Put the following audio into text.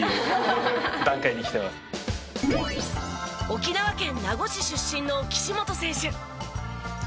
沖縄県名護市出身の岸本選手。